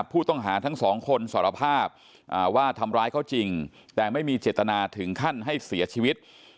ผู้ต้องหาทั้งสองคนสารภาพว่าทำร้ายเขาจริงแต่ไม่มีเจตนาถึงขั้นให้เสียชีวิต